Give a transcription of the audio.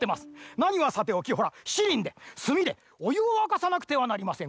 なにはさておきほらしちりんですみでおゆをわかさなくてはなりません。